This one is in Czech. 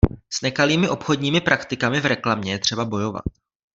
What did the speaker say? S nekalými obchodními praktikami v reklamě je třeba bojovat.